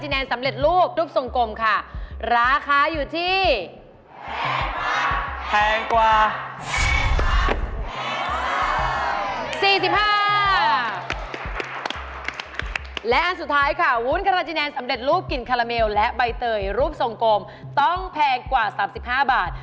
และอันสุดท้ายค่ะวุ้นคาราจิแนนสำเร็จรูปกลิ่นคาราเมลและใบเตยรูปทรงกลมต้องแพงกว่า๓๕บาท